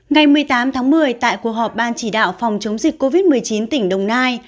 ngày một mươi tám tháng một mươi tại cuộc họp ban chỉ đạo phòng chống dịch covid một mươi chín tỉnh đồng nai